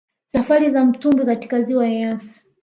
Safari za mtubwi katika Ziwa Eyasi